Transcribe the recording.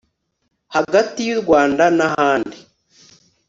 hagati y u rwanda nahandi